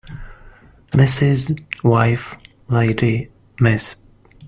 Mrs. wife lady Miss